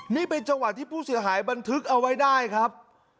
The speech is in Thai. นี่เป็นจังหวะที่ผู้เสียหายบันทึกเอาไว้ได้ครับ